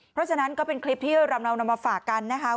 เพราะฉะนั้นก็เป็นคลิปที่เรานำมาฝากกันนะคะ